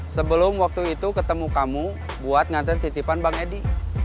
sebelum waktu itu ketemu kamu buat nganter titipan bang edi